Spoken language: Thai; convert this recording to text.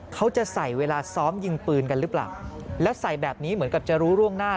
เขาจะใส่เวลาซ้อมยิงปืนกันหรือเปล่าแล้วใส่แบบนี้เหมือนกับจะรู้ร่วงหน้า